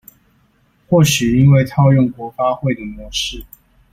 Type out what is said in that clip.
或許因為套用國發會的模式